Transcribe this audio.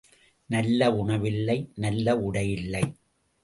நல்ல உணவில்லை, நல்ல உடையில்லை.